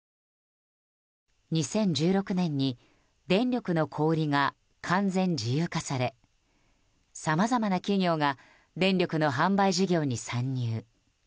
２０１６年に電力の小売りが完全自由化されさまざまな企業が電力の販売事業に参入。